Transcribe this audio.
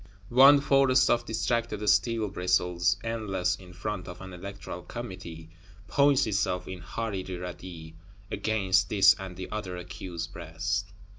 One forest of distracted steel bristles, endless, in front of an Electoral Committee; points itself, in horrid radii, against this and the other accused breast.